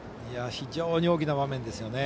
非常に大きな場面ですよね。